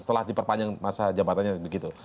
setelah diperpanjang masa jabatannya begitu